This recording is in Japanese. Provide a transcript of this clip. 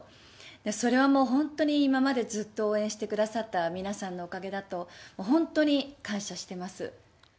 それはもう、本当に今までずっと応援してくださった皆さんのおかげだと、本当に感謝してます。